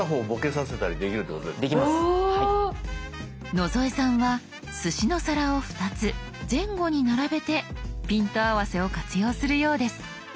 野添さんはすしの皿を２つ前後に並べてピント合わせを活用するようです。